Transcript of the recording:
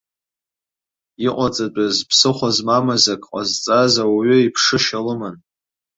Иҟаҵатәыз, ԥсыхәа змамыз акы ҟазҵаз ауаҩы иԥшышьа лыман.